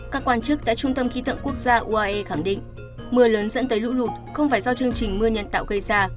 các quan chức tại trung tâm khí tượng quốc gia uae khẳng định mưa lớn dẫn tới lũ lụt không phải do chương trình mưa nhân tạo gây ra